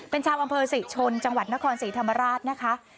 เป็นชาวอำเภอศรีชนจังหวัดนครศรีธรรมราชนะคะ